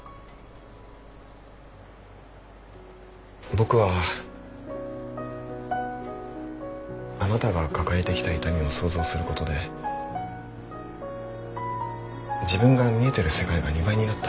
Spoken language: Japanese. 僕はあなたが抱えてきた痛みを想像することで自分が見えてる世界が２倍になった。